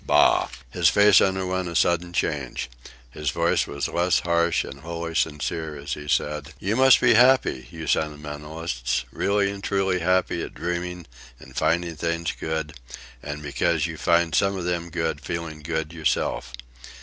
Bah!" His face underwent a sudden change. His voice was less harsh and wholly sincere as he said: "You must be happy, you sentimentalists, really and truly happy at dreaming and finding things good, and, because you find some of them good, feeling good yourself.